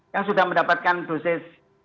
yang sudah mendapatkan dosis